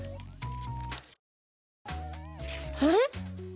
あれ？